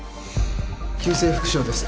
急性腹症です